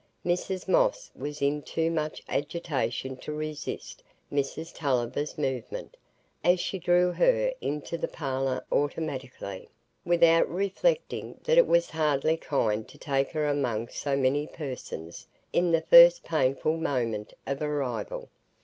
Mrs Moss was in too much agitation to resist Mrs Tulliver's movement, as she drew her into the parlour automatically, without reflecting that it was hardly kind to take her among so many persons in the first painful moment of arrival.